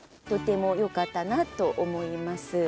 とてもよかったなと思います。